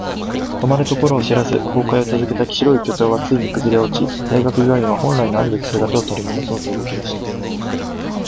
止まるところを知らず崩壊を続けた白い巨塔はついに崩れ落ち、大学病院は本来のあるべき姿を取り戻そうと動き出した。